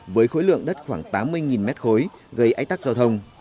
với khối lượng đất khoảng tám mươi m ba gây ái tắc giao thông